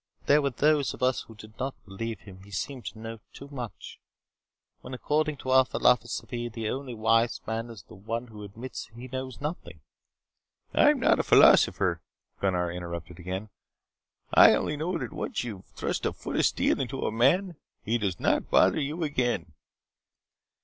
But there were those of us who did not believe him. He seemed to know too much, when according to our philosophy the only wise man is the one who admits that he knows nothing " "I am not a philosopher," Gunnar interrupted again. "I only know that once you have thrust a foot of steel into a man he does not bother you again."